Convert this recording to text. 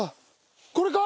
これか！？